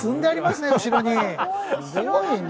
すごいね。